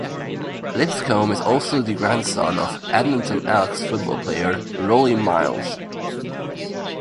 Lipscombe is also the grandson of Edmonton Elks football player Rollie Miles.